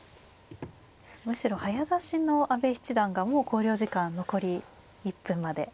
むしろ早指しの阿部七段がもう考慮時間残り１分まで来ました。